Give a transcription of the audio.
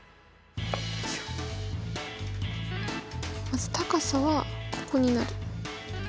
まず高さはここになる。